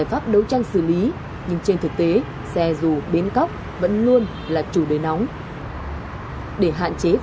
hãy đăng ký kênh để ủng hộ kênh của mình nhé